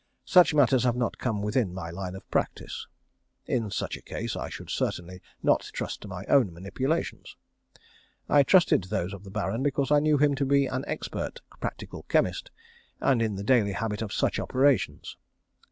Such matters have not come within my line of practice. In such a case I should certainly not trust to my own manipulations. I trusted to those of the Baron, because I knew him to be an expert practical chemist, and in the daily habit of such operations.